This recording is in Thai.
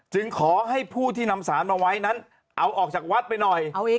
ขอให้ผู้ที่นำสารมาไว้นั้นเอาออกจากวัดไปหน่อย